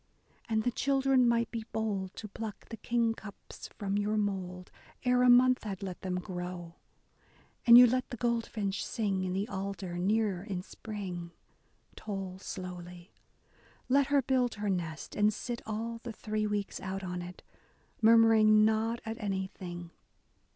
And the children might be bold to pluck the kingcups from your mould Ere a month had let them grow. And you let the goldfinch sing in the alder near in spring. Toll slowly. Let her build her nest and sit all the three weeks out on it. Murmuring not at anything.